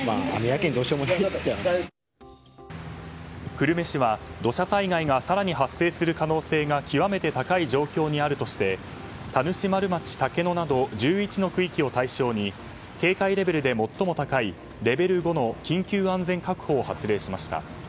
久留米市は土砂災害が更に発生する可能性が極めて高い状況にあるとして田主丸町竹野など１１の区域を対象に警戒レベルで最も高いレベル５の緊急安全確保を発令しました。